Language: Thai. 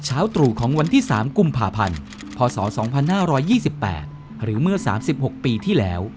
ตรู่ของวันที่๓กุมภาพันธ์พศ๒๕๒๘หรือเมื่อ๓๖ปีที่แล้ว